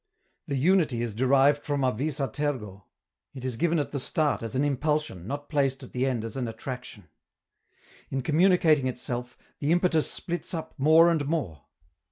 The unity is derived from a vis a tergo: it is given at the start as an impulsion, not placed at the end as an attraction. In communicating itself, the impetus splits up more and more.